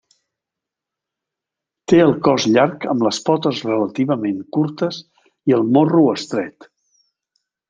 Té el cos llarg amb les potes relativament curtes i el morro estret.